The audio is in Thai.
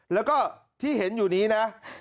แล้วก็ที่เห็นอยู่นี้นะ